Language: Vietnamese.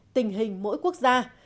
tình hình mỗi quốc gia